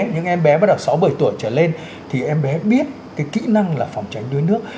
những em bé bắt đầu sáu mươi bảy tuổi trở lên thì em bé biết cái kỹ năng là phòng tránh đuối nước